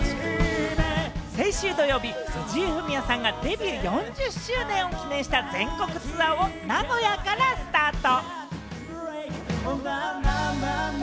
先週土曜日、藤井フミヤさんがデビュー４０周年を記念した全国ツアーを名古屋からスタート。